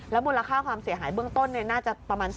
มูลค่าความเสียหายเบื้องต้นน่าจะประมาณ